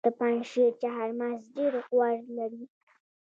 د پنجشیر چهارمغز ډیر غوړ لري.